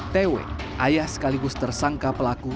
tw ayah sekaligus tersangka pelaku